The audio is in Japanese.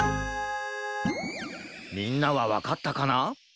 みんなはわかったかな？